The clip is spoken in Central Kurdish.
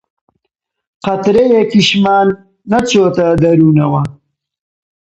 قەترەیەکیشمان نەچۆتە دەروونەوە